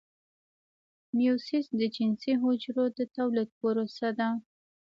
میوسیس د جنسي حجرو د تولید پروسه ده